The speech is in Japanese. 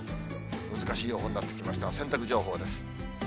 難しい予報になってきましたが、洗濯情報です。